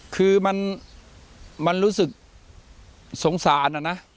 คือมันรู้สึกสงสารนะ